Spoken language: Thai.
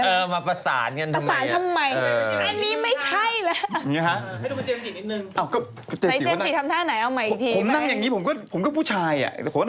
เออมาประสานกันทำไมอ่ะนี่ไม่ใช่เหรอ